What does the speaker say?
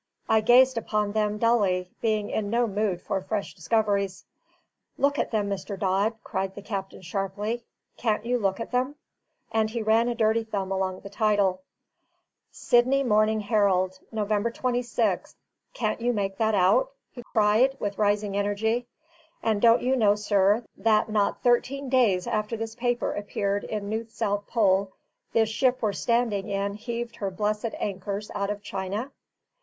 I gazed upon them dully, being in no mood for fresh discoveries. "Look at them, Mr. Dodd," cried the captain sharply. "Can't you look at them?" And he ran a dirty thumb along the title. "'Sydney Morning Herald, November 26th,' can't you make that out?" he cried, with rising energy. "And don't you know, sir, that not thirteen days after this paper appeared in New South Pole, this ship we're standing in heaved her blessed anchors out of China?